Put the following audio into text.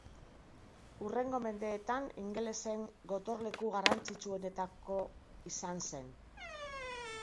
Hurrengo mendeetan ingelesen gotorleku garrantzitsuenetako izan zen.